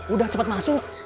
udah cepet masuk